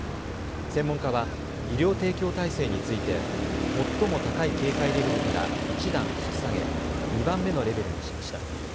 専門家は医療提供体制について最も高い警戒レベルから一段、引き下げ２番目のレベルにしました。